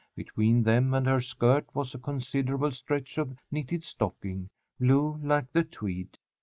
Between them and her skirt was a considerable stretch of knitted stocking, blue like the tweed.